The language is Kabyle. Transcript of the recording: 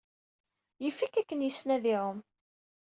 Yif-ik akken yessen ad iɛum.